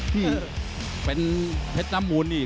นี่เป็นเพชรน้ำมูลนี่